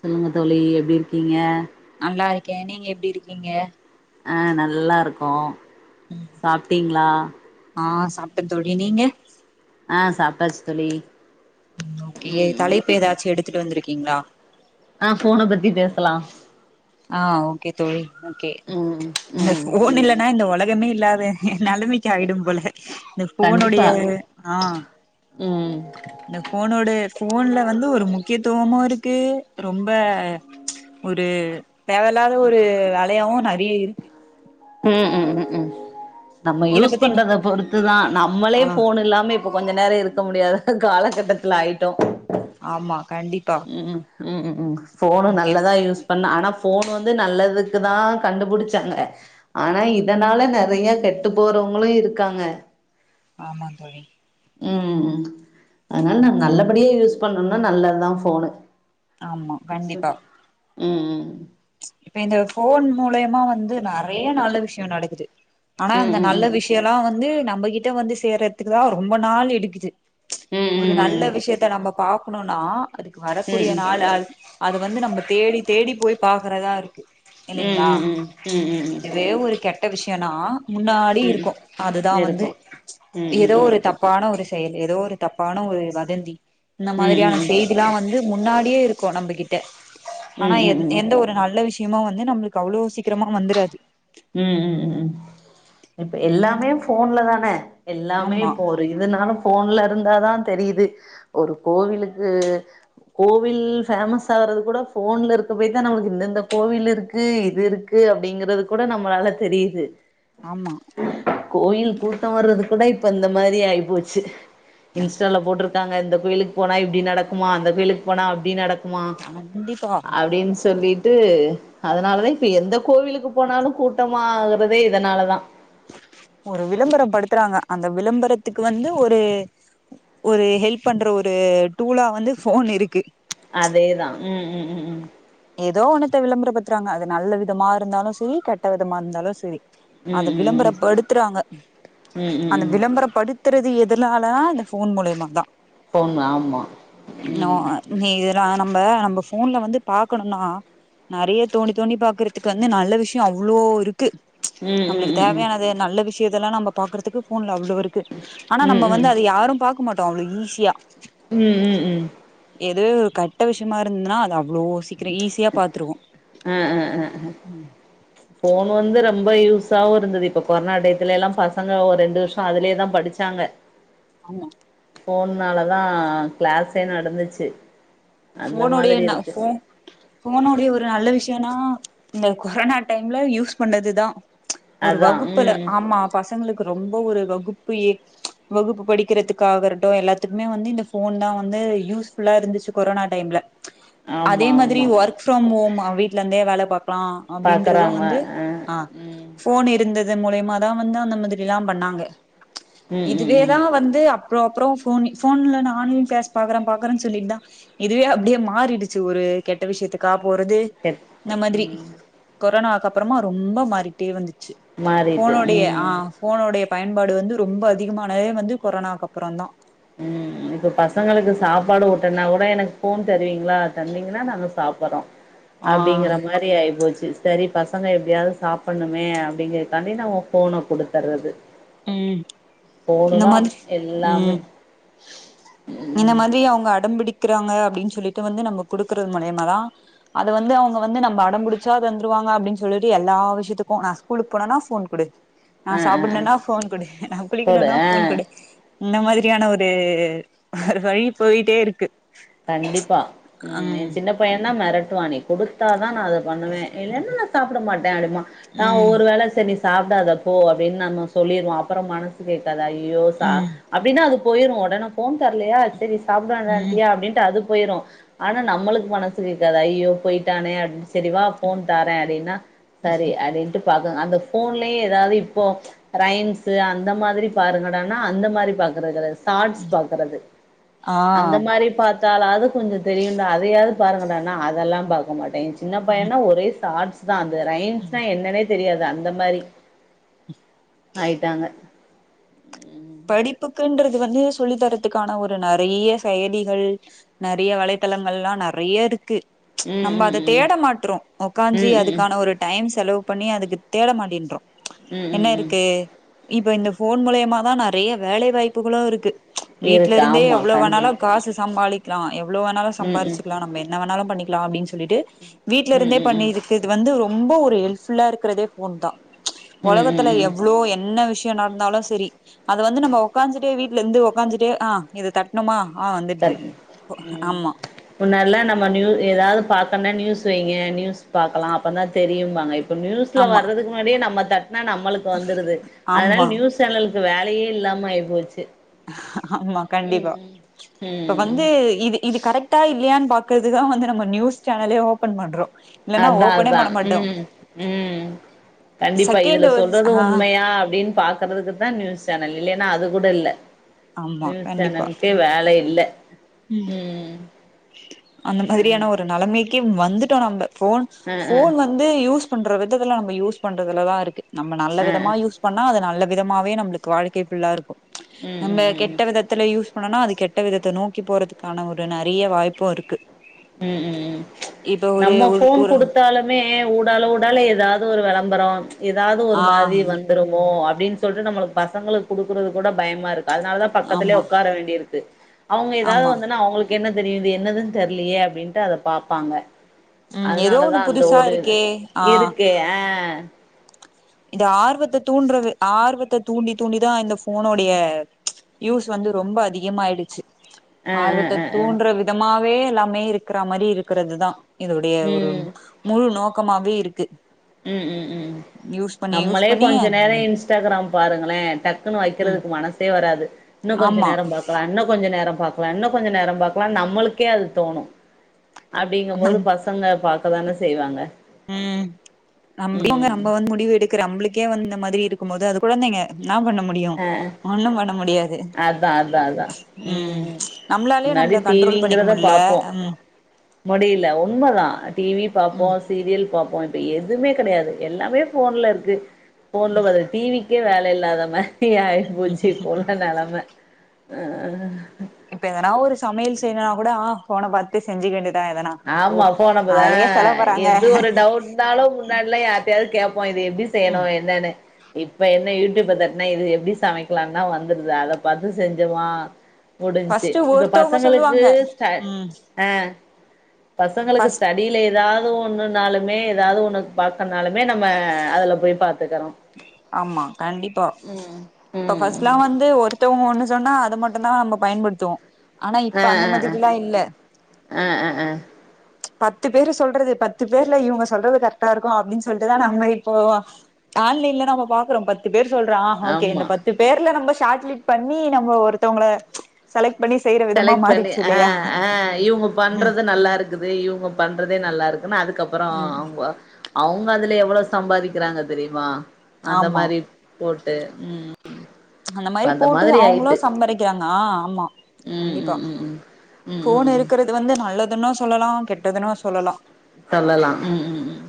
சொல்லுங்க தோளி எப்படி இருக்கீங்க நல்லா இருக்கேன் நீங்க எப்படி இருக்கீங்க ஆ நல்லா இருக்கும் சாப்ட்டீங்களா சாப்ட தோழி நீங்க ஆ சாப்ட்டாச்சு தோழி ஓகே ம் தலைப்ப ஏதாச்சு எடுத்து த்துட்டு வந்திருக்கீங்களா ஆ போனை பத்தி பேசலா ஆ ஓகே தோழி ஓகே ம் இந்த ம் போன் இல்லன்னா இந்த உலக மே இல்லாத நிலமைக்கு ஆகிடும் போல இந்த போனுடைய கண்டிப்பா ஆ ம் இந்த போனோட போன்ல வந்து ஒரு முக்கியத்துவமா இருக்கு ரொம்ப ஒரு தேவையில்லாத ஒரு ழையாவும் நிறைய இருக்கு ம் ம் ம் ம் நம்ம இத யூஸ் பத்தி நீ பண்றத பொறுத்து தான் நம்மளே ஆ போன் இல்லாமே இப்ப கொஞ்ச நேரம் இருக்க முடியாது காலகட்டத்துல ஆயிட்டொ ஆமா கண்டிப்பா ம் ம் ம் ஃபோனு ஓகே நல்லதான் யூஸ் பண்ண ஆனா போன் வந்து நல்லதுக்குதான் கண்டுபுடிச்சாங்க ஆனா இதனால நறைய கெட்டு போறவங்களும் இருக்காங்க ஆமா தோழி ம் ம் அதனால நான் நல்லபடியே யூஸ் பண்ணும்னா நல்லதுதான் போனு ஆமா கண்டிப்பா ம் ம் இப்ப இந்த போன் மூலயமா வந்து நிறைய நல்ல விஷய நடக்குது ஆனா ம் அந்த ம் நல்ல ம் விஷயம்ல்லாம் வந்து ந நம்மகிட்ட வந்து சேர்றதுக்கு தான் ரொம்ப நாள் எடுக்குச்சு ம் ஒரு நல்ல ம் விஷயத்த நம்ம பா கொணுணா அதுக்கு ம் ம் வரக்கூடிய ம் நாள் அது வந்து நம்ம தேடி தேடி போய் பார்க்கறதா இருக்கு ம் இல்லைங்களா ம் ம் ம் இதுவே ஒரு கெட் ட விஷயனா முன்னாடி ம் ம் இருக்கோ அதுதா வந்து இருக்கும் ம் ஏதோ ம் ம் ஒரு தப்பான ஒரு செயல் ஏதோ ஒரு தப்பான ஒரு வதந்தி இந்த ம் ம் ம் மாதிரியான செய்திலா வந்து முன்னாடியே இருக்கோ நம்மகிட்ட ம் ஆனா எ ம் ம் எந்த ஒரு நல்ல விஷயம் முக்கியமா வந்து நம்மளுக்கு அவ்ளோ சீக்கிரமா வந்து து ம் ம் ம் இப்ப எல்லாமே போன்ல தான எல்லாமே ஆமா போ இதுனால போன்ல இருந்தா தா தெரியிது ஒரு கோவிலுக்கு கோவில் பேமஸ் ஆகுறது கூட போன்ல இருக்க போய் தா நம்மளுக்கு இந்தந்த கோவில் இருக்கு இது இருக்கு அப்டிங்கறதுக்கு கூட நம்மளால தெரியிது ஆமா கோயில் கூட்டம் வர்றது கூட இப்ப இந்த மாரி ஆயி போச்சி இன்ஸ்டால போட்ருக்காங்க இந்த கோயிலுக்கு போனா இப்டி நடக்குமா அந்த கோயிலுக்கு போனா அப்டி நடக்குமா கண்டிப்பா மா அப்டின்னு சொல்லி அதனாலதா இப்ப எந்த கோவிலுக்கு போனாலு கூட்டமாகறதே இதனாலதா ஒரு விளம்பரப்படுத்துறாங்க அந்த விளம்பரத்துக்கு வந்து ஒரு ஒரு ஹெல்ப் பண்ற ஒரு டூலா வந்து போன் இருக்கு அதேதா ம் ம் ம் ம் ஏதோ ஒன்னத்த விளம்பர பத்துறாங்க அது நல்ல விதமா இருந்தாலு செரி கெட்ட விதமா இருந்தாலு செரி ம் ம் அத ம் விளம்பரப்படுத்துறாங்க ம் ம் அந்த ம் விளம்பரப்படு றது எதனால இந்த ஃபோன் மூலயமா தா போண் ஆமா ம் நா நம்ம நம்ம போன்ல வந்து பாக்கணும்னா நறைய தோண்டி தோண்டி பாக் க்குந்து நல்ல விஷயோ அவ அவ்ளோ இருக்கு ம் ம் ம் நம்மளுக்கு ம் தேவையானது நல்ல விஷ இதேல்லா நம்ம பார்க்கறக்கு போன்ல அவ் இருக்கு ஆனா ம் நம்ம வந்து அத யாரு பாக் இருக்க மாட்டோ அவ்ளோ ஈஸியா ம் ம் ம் எதுவே ஒரு கட்ட விஷயமா இருந்ததுன்னா அது அவ்வளோ கிரை ஈஸியா பாத்துருவோம் ம் போன் வந்து ரொம்ப யூஸாவும் இருந்தது இப்ப கொரோனா டையத்துல எல்லாம் பசங்க ஒரு ரெண்டு வருஷோ அதுலயே தான் படிச்சாங்க ஆமா போனனால தான் கிளாஸே நடந்துச்சு அந்த போனுடைய மாதிரி ந இருக்கு போன் போனுடைய ஒரு நல்ல விஷ் னா இந்த கொரோனா டைம்ல யூஸ் பண்ணது தான் ஒரு அதா வகுப்புல ம் ஆமா பசங்களுக்கு ரொம்ப ஒரு வகுப்பு எ வகுப்பு படிக்கிறதுக்கு ஆகரட்டும் எல்லாத்துக்குமே வந்து இந்த போன் தான் வந்து யூஸ் ஃபுல்லா இருந்துச்சு கொரோனா டைம்ல ஆமா அதே மாதிரி ஆமா ஒர்க் ஃப்ரம் ஹோம் அவ வீட்லந்தே வேல பாப் றான் அப்படின்றதும் வந்து ஆ ம் போன் இருந்தது இதன் மூலியமா தான் வந்து அந்த மாதிரி எல்லாம் பண்ணாங்க ம் ம் இதுவே ம் தான் வந்து அப் அப்றோ அப்றோ போன் போன்ல நான் ஆன்லைன் கிளாஸ் பாக்குறேன் பாக்குறேன்னு சொல்லிட்டு தா இதுவே அப்படியே மாறிடுச்சு ஒரு கெட்ட விஷயத்துக்காப் போறது கெட் இந்த மாதிரி ம் கொரோனா அப்பறமா ரொம்ப மாறிட்டே வந்துட்டு மாறிட்டு போனுடைய ஆ ம் போனுடைய பயன்பாடு வந்து ரொம்ப அதிகமானதே வந்து கொரோனாக்கு அப்புறோ தா ம் இப்ப பசங்களுக்கு சாப்பாடு ஊட்டன்னா கூட எனக்கு போன் தருவீங்களா தந்தீங்கன்னா நாங்க சாப்றோம் ஆ அப்படிங்கற மாதிரி ஆயி போச்சு செரி பசங்க எப்படியாவது சாப்ட்ணுமே அப்படிங்கறக்காண்டி நம்ம போனை குடுத்தர்றது ம் ஃபோனு இந்த தா மாதிரி எல்லாமே ம் இந்த மாதிரி அவங்க அடம்பிடிக் க்கறாங்க அப்படின்னு சொல்லிட்டு வந்து நம்ம குடுக்குறது முலியமா தான் அது வந்து அவங்க வந்து நம்ம அடம்புடிச்சா தந்துருவாங்க அப்படின்னு சொல்லிட்டு எல்லா விஷயத்துக்கும் நான் ஸ்கூலுக்கு போனுனா போன் குடு நா ஆ ஆ ஆ சாப்படனுன்னா போன் குடு நா போடு குளிக்கணுன்னா போன் ஆ குடு இந்த மாதிரியான ஒரு ஒரு வழி போயிட்டே இருக்கு கண்டிப்பா ம் என் சின்ன பையன்தா மெரட்டு வானே குடுத்தா நானு அத பண்ணுவேன் இல்லன்னா நா சாப்பட மாட்டேன் அப்படிம்பான் நான் ம் ஒரு வேள செரி சாப்படாத போ அப்படின்னு நாம சொல்லிடுவோம் அப்புறோ மனசு கேட்காதா அவிங் யோசா ம் அப்படின்னா அது போயிரும் உடனே போன் தரலையா சரி சாப்ட ம் வேண்டாட்டியா அப்பிடினு அது போயிரு ஆனா நம்மளுக்கு மனசு கேக்காது ஐயயோ போய்ட்டானே அப்டினு சரிவா ஃபோன் தரே அப்டின்னா சரி அதென்ட்டு பாங்க அந்த ஃபோன்லய எதாது இப்போ ரைம்ஸ் அந்த மாதிரி பாருங்கடான அந்த மாரி பாக்கறது கெட டாஸ் பாக்கறது ஆ அந்த மாரி பா த்தாலாவது உங்களுக்கு தெரியுதா அதையாவது பாருங்களேனா அதெல்லா பாக்க மாட்டே சின்ன ம் பையனா ஒரே சாஸ் தா அந்த ரைன்ஸ்லா என்னனே தெரியாது அந்த மாரி ஆயிட்டாங்க இது வந்து சொல்லி தரதுக்கான ஒரு நெறைய செயலிகள் நெறைய வலைத்தளங்கள்ல்லா நெறையருக்கு ம் நம்ம ம் அத ம் தேட மாட்றோ உக்காஞ்சி ம் ம் அதுக்கான ஒரு டைம் செலவு பண்ணி அதுக்கு தேட மாட்டின்றோ ம் என்ன ம் ம் இருக்கு இப்ப இந்த போன் மூலிமா தா நா நறைய வேலை வாய்ப்புகளு இருக்கு வீட்ல இருக்கு இருந்தே ஆமா எவ்ள வேணாலு கண்டிப்பா காசு சம்பாளி கிலா எ எவ்ளோ வேணாலு ம் ம் சம்பாரிச்சிகலா நம்ம என்ன வேணாலு பண்ணிக்லா அப்டின் சொல்லிட்டு வீட்ல ம் இருந்தே ம் ம் பண்ணிருக்கு இது வந்து ரொ ரொம்ப ஒரு ஹெல்ப் ஃபுல்லா இருக்றதே ஃபோன்தா ம் ம் ஒலகத்துல ம் எவ்ளோ என்ன விஷ கே நடந்தாலு செரி அது வந்து நம்ம உக்காஞ்சிட்டே வீட்ல இருந்து உக்காஞ்சிட்டே ஆ இது தட்ணுமா ம் முன்னல்லா நம்ம நியூ ஏதாது பாக்கன்னா நியூஸ் சோ இங்க நியூஸ் பாக்கலா அப்பந்தா தெரியிம்பாங்க இ ஒரு நியூஸ்ல ஆமா வர்துக்கு முன்னாடியே நம்ம தட் நம்மளுக்கு வந்துருது அதனால ஆமா நியூஸ் சேனல் இது வேலயே இல்லாமாய் போச்சு ஆமா கண்டிப்பா இப்ப ம் வந்து இது இது கரெக்டா இல்லையான் பாக் ப்ப இதுதா வந்து நம்ம நியூஸ் சேனலே ஓபன் பண்றோ இல்லன்னா அத் தா அத் ஓபனே தா பண்ண மாட்டோ ம் ம் கண்டிப்பா செகண்ட் இதுல ஒரு சொல்றது ஆ உண்மையா அப்படின் பாக்குறதுக்கு தா நியூஸ் சேனல் இல்லைன்னா அது கூடல்ல ஆமா கண்டிப்பா இல்ல ம் அந்த மாரியான ஒரு நெலமைக் கிம் வந்துட்டோ நம்ம ஃபோன் ஆ ஆ ஃபோன் வந்து யூஸ் பண்ற விததெல்லா நம்ம யூஸ் பண்றதுலதா இருக்கு நம்ம நல்ல ஆ விதமா ஆ யூஸ் பண்ணா அது நல்ல விதமாவே நம்ளுக் வாழ்க்கை ஃபுல்லா இருக்கும் ம் நம்ம ம் ம் ம் கெட்ட விதத்ல யூஷ் னனா அது கெட்ட விதத்த நோக்கி போறதுக்கான ஒரு நெறயா வாய்ப்பும் இருக்கு ம் ம் ம் இப்ப ஒரு நம்ம ஒரு ஃபோன் ஒரு கொடுத்தாலுமே ஊடால ஊடால ஏதாவது ஒரு வெளப் ந்தறோன் ஏதாது ஒரு ஆ மாரி வந்துருமோ அக் அப்டின்னு சொல்ட்டு நம்மளுக்கு பசங்களுக்கு கொடுக்றது கூட பயமா இருக் அதனாலதா பக்கத்லே ஆமா உட்கார வேண்டி இருக்கு அவங்க ஏதாவது ஆமா வந்துன்னா அவ்ங்ளுக் என்ன தெரிது என்னதுன்னு தெர் இல்லயே அப்டின்ட்டு அத பாப்பாங்க ம் ஏதோ ஒண்ணு அதனாலதா அந்த புதுசா ஒரு இருக்கே இருக்கு ஆ இந்த ஆர்வத்த தூண்றது ஆர்வத்த தூண்டி தூண்டிதா இந்த ஃபோனோடய யூஸ் வந்து ரொம்ப அதிகமய்டுச்சு ஆ ஆர்வத்த ஆ ஆ ஆ தூண்ற விதமா வே எல்லா மே இருக்ற மாரி இருக்றதுதா இதுடைய ஒரு முழு நோக் க்கமாவே இருக் ம் ம் ம் ம் நம்மளே யூஸ் பண்ணி கொஞ்ச நேர இன்ஸ்டாகிராம் பாருங்களே டக்குன்னு ம் வைக்கிறதுக்கு மனசே வராது இன்னு கொஞ்சோ ஆமா நேரம் பாக்கலா இன்னு கொஞ்ச நேரம் பாக்கலா இன்னு கொஞ்ச நேரம் பார்கக்கலா நம்மளுக்கே அது தோணு அப்டிங்கும்போது பசங்க பாக் க்கதானே செய்வாங்க ம் நம் ம் நம்ம வந்து முடிவு எடுக்குற நம்மளுக்கே வந் இந்த மாதிரி இருக்கும்போது அது குழந்தைங்க நா பண்ண முடியு ஆ ஒண்ணு பண்ண முடியாது அதா அதா அதா ம் நம்மளாலே முன்னாடி நம்மள கண்ட்ரோல் பண்ணிக்க முட்ல ம் முடில உண்மதா டிவி பாப்போ ம் சீரியல் பாப் இப்ப எதுமே கெடயாது எல்லாமே போன்ல இருக்கு போன்ல வரு டிவிக்கே வேல இல்லாதம்ம டியாய் போச்சி ஒங்க நெலம அ இப்ப எதனா ஒரு சமையல் செய்யனா கூட ஆ போன பாத்து செஞ்சிக்க வேண்டி ஆமா போனப்பதா பண்றாங்க எது ஒரு டவுட் ந்தாலு முன்னாடில்லா யார்டயாவது கேட்போ இது எப்டி செய்யணு என்னன்னு இப்ப என்ன யூடியூப் தட்னா இது எப்டி சமைக்கலா தா வந்துருது அதை பாத்து செஞ்சுருவா முடிஞ்ச்சு ஃபர்ஸ்ட் இப்ப ஒருத்தவங்க பசங்களுக்கு சொல்லுவாங்க ஸ்ட ம் அ பசங்களுக்கு ஃபர்ஸ்ட் ஸ்டடியில எதா எதோ ஒண்ணுன்னாலுமே ஏதாது ஒண்ணுக்கு பாக்கனாலுமே நம்ம அதுல போய் பாத்துக்கறோ ஆமா கண்டிப்பா ம் இப்ப ம் ஃபஸ்ட்லா வந்து ஒரு த்தவங்க ஒன்னு சொன்னா அத மட்டுதா நம்ம பயன்படுத்துவோ ஆனா இப்ப ஆ அந்த ஆ மாதிரில்லா இல்ல ஆ ஆ ஆ பத்து பேரு சொல்றது பத்து பேர்ல இவங்க சொல்றது கரெக்டா இருக்கு அப்டின்னு சொல்ட்டுதா நம்ம இப்போ ஆன்லைன்ல நம்ப பாக்றோ பத்து பேரு சொல்ற ஆ ஓகே இந்த ஆமா பத்து பேர்ல நம்ப சாட்லிட் பண்ணி நம்ம ஒருத்தவலங்க செலக்ட் பண்ணி செய்யற விதமா செலக்ட் பண்ணி மாறிச்சு ஆ இல்லையா ஆ இவுங்க ம் பண்றது நல்லா இருக்குது இவுங்க பண்றதே நல்லா இருக்குன்னு அதுக்கப் அப்பறோ ம் அவுங்க அவுங்க அதுல எவ்வளவு சம்பாதிக்கிறாங்க தெரிமா அந்த ஆமா மாறி போட் டு ம் அந்த இப்ப மாறி போட்டு மாதிரி அவுங்களு ஆயிட்டு சம்பதிக்கிறாங்க ஆமா ம் கண்டிப்பா ம் ம் ம் ம் ம் ஃபோன் ம் இருக்கறது வந்து நல்லது துனு சொல்லலா கெட்டதுன்னு சொல்லலா சொல்லலா ம் ம் ம்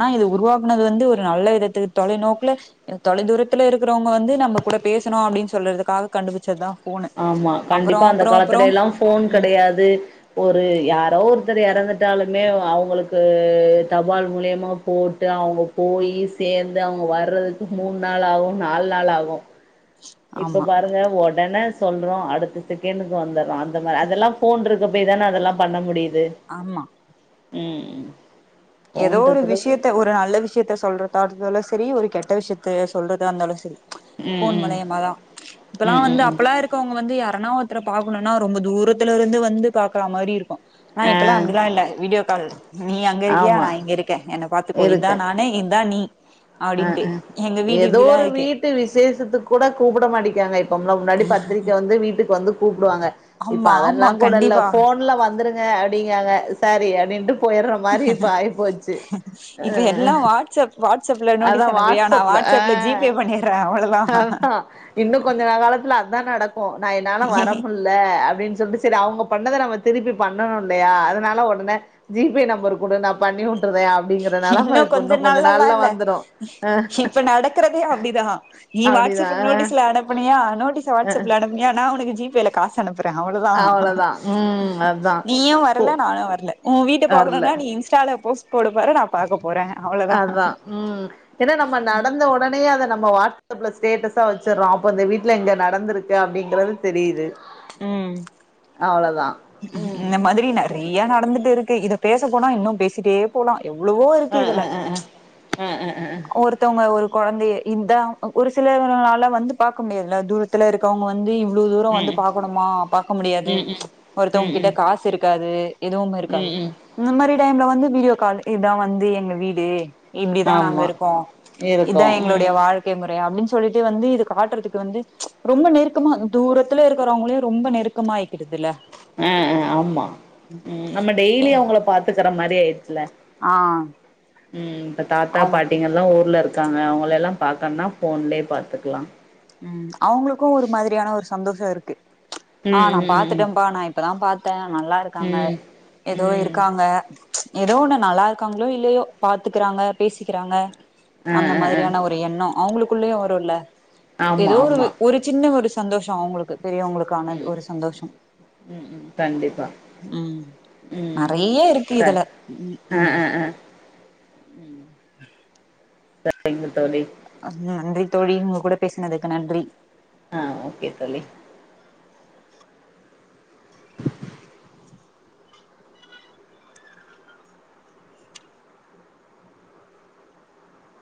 ஆ இது உருவாக்குனது வந்து ஒரு நல்ல விதத்துக்கு தொலைநோக்குல தொலை தூரத்துல இருக்கிறவங்க வந்து நம்ம கூட பேசணு அப்டின்னு சொல்றதுக்காக கண்டுபிச்சது தா ஆமா கண்டிப்பா அந்த காலத்துல எல்லா ஃபோன் ம் கெடையாது ஒரு யாரோ ஒரு ஒருத்தர் எறந்துட்டாலுமே அவுங்களுக்கு தபால் மூலியமா போட்டு அவுங்க போயி சேந்து அவுங்க வர்றதுக்கு மூண் நாள் ஆகு நால் நாள் ஆகு இப்ப ஆமா பாருங்க ஒடனே சொல்றோ அடுத்த செகண்டுகு வந்தர் அந்த மாரி அதெல்லா ஃபோன் இருக் இருக்க போய் தான அதெல்லா பண்ண முடியு ஆமா ம் ஃபோன் ஏதோ ஒரு இருக்குறது விஷ்யத்த ஒரு நல்ல விஷ்யத்த சொல்றததால செரி ஒரு கெட்ட விஷ்யத்த சொல்றதா இருந்தாலு செரி ம் ஃபோன் ம் மூலியமாதா இப்பெல்லா ம் ம் வந்து ம் அப்பெல்லா இருகவங்க வந்து யாரு தெனோ ஒருத்தர பாக்னுனா ரொம்ப தூரத்ல இருந்து வந்து பாக்ற மாரி இருக்கு நா ஆ இப்பெல்லா அப்டில்லா இல்ல வீடியோ கால் நீயா யா ஆமா இங்க இருகே என்ன பாத்துகோ இதா இருக்கே நானு இதா நீ அ அப்டின்ட்டு அ எங்க வீடு ஏதோ இப்டிலா ஒரு இருக்கு வீட்டு விசேஷத்து கூட கூப்ட மாட்டிங்காங்க உங்க முன்னாடி பத்ரிக்க வந்து வீட்டுக்கு வந்து ப்படுவாங்க இப்ப ஆமா ஆமா அதெல்லா கூட இல்ல கண்டிப்பா போன்ல வந்துருங்க அப்டிங்காங்க செரி அப்டின்ட்டு போய்ற மாரி இப்ப ஆயிபோச்சு அ இப்ப எல்லா வாட்ஸ்அப் வாட்ஸ்அப்ல அதா நோட்டீஸ் அனுப்புறியா நா வாட்ஸப்ல அ வாட்ஸ்அப்ல ஜி பே பண்ணிடுறே ஆ அவ்ளோதா இன்னு கொஞ்சோ நாள் காலத்துல அத்தா நடக்கு நா என்னால வரமுட்ல்ல அப்டின்னு சொல்ட்டு செரி அவ்ங்க பண்ணத நம்ம திருப்பி பண்ணணு இல்லயா அதனால ஒடனே ஜிபே நம்பர் குடு நா பண்ணி ட்டுறே அப்டிங்றனால ஆ இப்ப இன்னு கொஞ்ச நாள்ல வந் இப்ப நடக்றதே அப்டிதா நீ அப்டிதா வாட்ஸப் நோட்டீஸ்ல அனுப்புனியா நோட்டிச வாட்ஸப்ல அனுப்னியா நா நா ஒனக்கு ஜிபேல காஸ் அனுப்புற அவ்வோதா அவ்ளோதா ம் அதா நீயு போ வரல நானு வரல ஓ வீட்ட வர்ல பாக்னுனா நீ இன்ஸ்டால போஸ்ட் போடபோற நா பாக்க போறே அவ்ளோதா அதா ம் ஏன்னா நம்ம நடந்த ஒடனேயெ அத நம் நம்ம வாட்ஸப்ல ஸ்டேட்டஸா வச்றோ அப்ப இந்த வீட்ல எங்க நடந்ருக்கு அப்டிங்றது தெரியுது ம் அவ்ளோதா ம் இந்த மாதிரி நெறையா நடந்திட்டு இருக்கு இத பேச போனா இன்னு பேசிட்டே போலா எவ்ளவோ இருக்கு அ அ இதுல அ ப்ச் அ அ அ அ ஒருத்தவங்க ஒரு கொழந்தைய இந்த ஒரு சிலரனால வந்து பாக்க முடியறதில்ல தூரத்துல இருக்கவங்க வந்து இ்வ்ளோ தூரோ ம் வந்து பாக்கணுமா பாக்க முடியாது ம் ம் ப்ச் ம் ம் ஒருத்தவங்ககிட்ட காசு இருக்காது எதுவுமே ம் இருக்காது ம் இந்த மாரி நைட் டைம்ல வந்து வீடியோ கால் இதான் வந்து எங்க வீடு இப்படிதா நாங்க ஆமா இருக் கோ இருக்கு இதான் எங்களுடைய ம் வாழ்க்கை முறை அப்டின் சொல்லிட்டு வந்து இது காட்டறதுக்கு வந்து ப்ச் ரொம்ப நெருக்கமா தூரத்துல இருக்கறவங்களயு ரொம்ப நெருக்கமா ஆய்க்கிறதில்ல ஏ‌ ஏ ஆமா ம் நம்ம டெய்லி அவுங்கள பாத்துக்கிற மாரி டே துல ஆ இப்ப தாத்தா அவங்க பாட்டிங்க எல்லா ஊர்ல இரு இருக்காங்க அவுங்கள எல்லா பாக்கணுனா போன்லயே பாத்துக்கலா ம் அவுங்களுக்கு ஒரு மாதிரியான ஒரு சந்தோஷோ இருக்கு ப்ச் ஆ ம் நா ம் ம் பாத்துட்டன்ப்பா நா இப்பதான் பாத்து த்த நல்லா இருக்காங்க ம் ம் எதோ ம் இருக்காங்க ப்ச் எதோ ஒண்ணு நல்லா இருக்காங்களோ இல்லையோ பாத்துகிறாங்க பேசிக்கிறாங்க ஆ அந்த ஆ ஆ மாதிரியான ஒரு எண்ணோ அவுங்களு குள்ளயு ஒருல்ல ஆமா எதோ ஒரு ஆமா ஒரு சின்ன ஒரு சந்தோஷோ அவுங்களுக்கு பெரியவங்களுக்கான ம் ஒரு சந்தோஷோ ம் ம் கண்டிப்பா உம் ம் நெறய இருக்கு ச இதுல ஆ ம்ஹும் ஆ ஆ சரிங்க தோழி நன்றி தோழி உங்க கூட பேசினதுக்கு நன்றி ஆ ஓகே தோழி